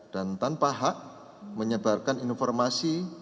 dan tanpa hak menyebarkan informasi